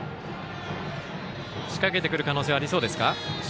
仕掛けてくる可能性はありそうですか。